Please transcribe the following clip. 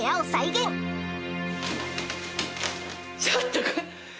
ちょっと。